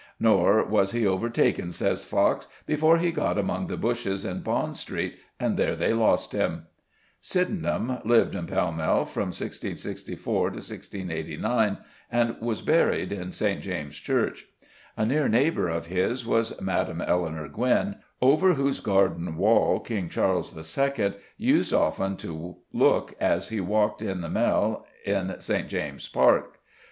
Nor was he overtaken, says Fox, before he got among the bushes in Bond Street, and there they lost him." Sydenham lived in Pall Mall from 1664 to 1689, and was buried in St. James's Church. A near neighbour of his was Madame Elinor Gwynne, over whose garden wall King Charles II. used often to look as he walked in the Mall in St. James's Park.